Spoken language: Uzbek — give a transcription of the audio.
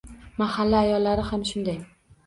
Mahalla ayollari ham shunday.